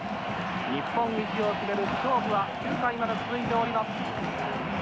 日本一を決める勝負は９回まで続いております。